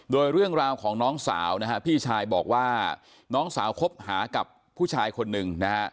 โดยเรื่องราวของน้องสาวนะฮะพี่ชายบอกว่าน้องสาวคบหากับผู้ชายคนหนึ่งนะฮะ